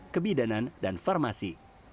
kebidanan dan farmasi